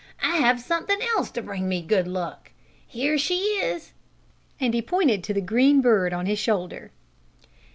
I have something else to bring me good luck. Here she is!" and he pointed to the green bird on his shoulder.